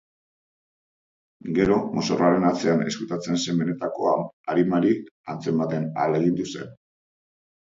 Gero, mozorroaren atzean ezkutatzen zen benetako arimari antzematen ahalegindu zen.